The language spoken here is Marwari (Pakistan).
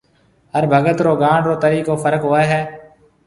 هر ڀگت رو گاڻ رو طريقو فرق هوئي هي